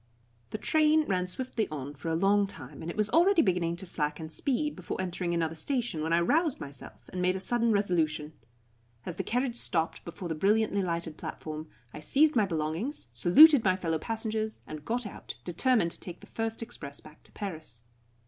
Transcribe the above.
The train ran swiftly on for a long time, and it was already beginning to slacken speed before entering another station when I roused myself, and made a sudden resolution. As the carriage stopped before the brilliantly lighted platform, I seized my belongings, saluted my fellow passengers, and got out, determined to take the first express back to Paris.